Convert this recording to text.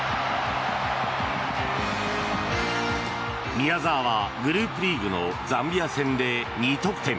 宮澤はグループリーグのザンビア戦で２得点。